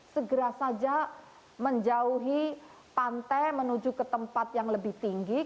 segera saja menjauhi pantai menuju ke tempat yang lebih tinggi